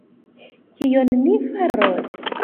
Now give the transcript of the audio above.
Kion ni faros?!